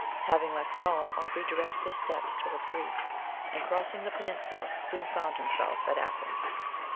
Having left Rome, Aubrey directed his steps towards Greece, and crossing the Peninsula, soon found himself at Athens.